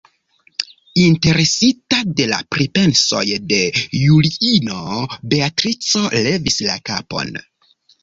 Interesita de la pripensoj de Juliino, Beatrico levis la kapon.